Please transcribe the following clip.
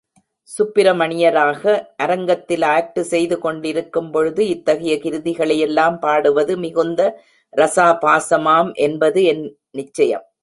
சுப்பிரமணியராக அரங்கத்தில் ஆக்டு செய்து கொண்டிருக்கும் பொழுது இத்தகைய கிருதிகளையெல்லாம் பாடுவது மிகுந்த ரசாபாசமாம் என்பது என் நிச்சயம்.